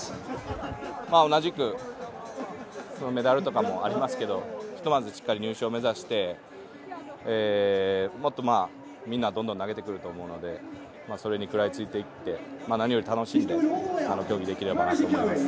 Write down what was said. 同じく、メダルとかもありますけどひとまずしっかり入賞目指してもっとみんなはどんどん投げてくると思うのでそれに食らいついていって何より楽しんで競技できればと思います。